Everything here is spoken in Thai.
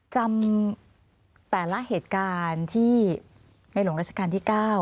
จำแต่ละเหตุการณ์ที่ในหลวงราชการที่๙